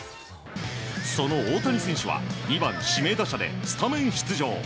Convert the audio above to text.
その大谷選手は２番指名打者でスタメン出場。